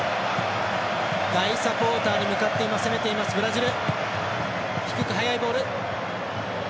大サポーターに向かって攻めている、ブラジル。